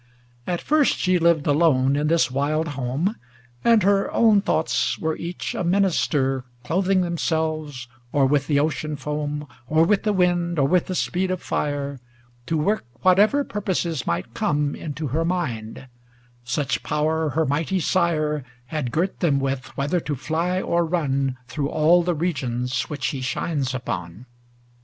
XXI At first she lived alone in this wild home, And her own thoughts were each a min ister, Clothing themselves or with the ocean foam, Or with the wind, or with the speed of fire, To work whatever purposes might come Into her mind; such power her mighty Sire 276 THE WITCH OF ATLAS Had girt them with, whether to fly or run, Through all the regions which he shines upon.